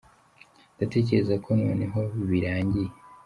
Ndatekereza ko noneho birangiye